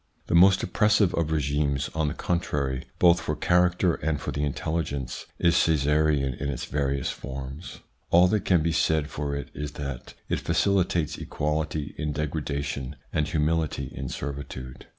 The most oppressive of regimes, on the contrary, both for character and for the intelli gence, is Caesarism in its various forms. All that can be said for it is that it facilitates equality in degradation and humility in servitude.